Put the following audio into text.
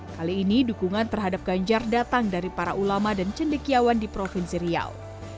kali ini dukungan terhadap ganjar datang dari para ulama dan cendekiawan di provinsi riau